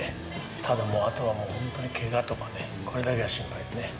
ただ、あとはもうけがとかね、これだけが心配でね。